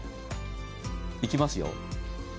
いきますよ。